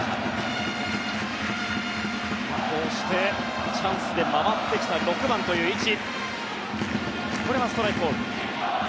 こうしてチャンスで回ってきた６番という位置。